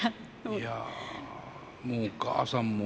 いやもうお母さんも。